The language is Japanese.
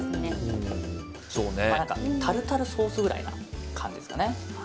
タルタルソースぐらいな感じですかね。